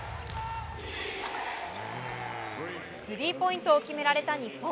スリーポイントを決められた日本。